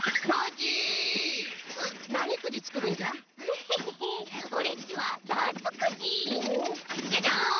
ジャジャン！